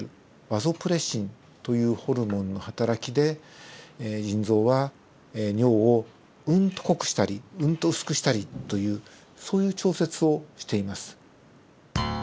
バソプレシンというホルモンのはたらきで腎臓は尿をうんと濃くしたりうんと薄くしたりというそういう調節をしています。